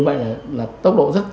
và vừa đi lại là tốc độ rất là chậm